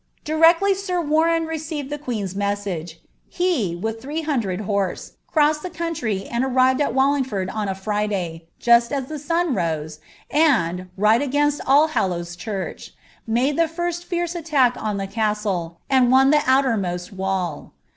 Directly Sir Warren received the queen's message, he, with three hundred horse, crossed the country, and arrived at Walling ford on a Friday, just as the sun rose, and, right against All Hallows church, made the first fierce attack on the castle, and won the outermost wall.